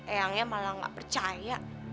eangnya malah gak percaya